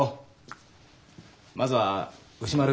まずは牛丸。